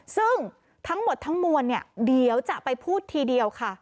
ซึ่งทั้งหมดทั้งมวลเนี่ยเดี๋ยวจะไปพูดทีเดียวค่ะ